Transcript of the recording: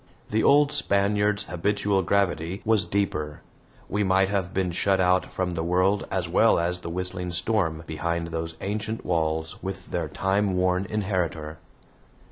The old Spaniard's habitual gravity was deeper; we might have been shut out from the world as well as the whistling storm, behind those ancient walls with their time worn inheritor.